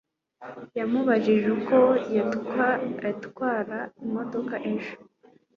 yamubajije uko yatwara imodoka ejo